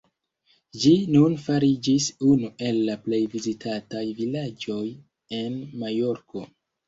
Ĝi nun fariĝis unu el la plej vizitataj vilaĝoj en Majorko.